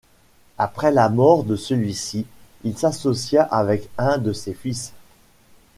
Après la mort de celui-ci, il s'associa avec un de ses fils.